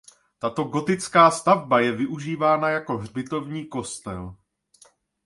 Tato gotická stavba je využívána jako hřbitovní kostel.